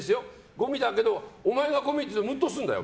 ごみだけどお前がごみっていうとムッとするんだよ。